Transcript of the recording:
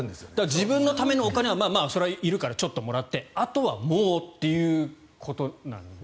自分のためのお金はいるからちょっともらってあとはもうっていうことなんですね。